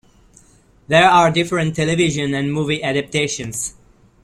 There are different television and movie adaptations.